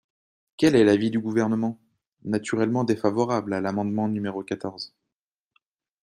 Quel est l’avis du Gouvernement ? Naturellement défavorable à l’amendement numéro quatorze.